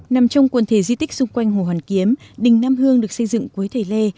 nằm trong quần thể di tích xung quanh hồ hoàn kiếm đình nam hương được xây dựng cuối thầy lê